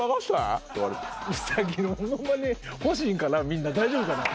みんな大丈夫かな。